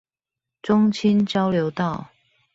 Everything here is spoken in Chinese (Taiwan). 中清交流道